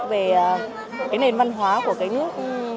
về cái nền văn hóa của cái nước